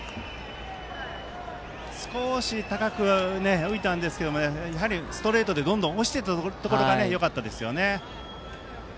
少し高く浮いたんですけどやはりストレートでどんどん押していったのがよかったですね。